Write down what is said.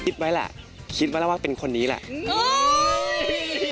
คิดไว้แหละคิดไว้แล้วว่าเป็นคนนี้แหละ